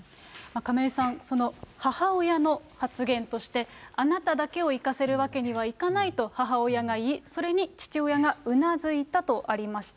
亀井さん、母親の発言として、あなただけを逝かせるわけにはいかないと母親が言い、それに父親がうなずいたとありました。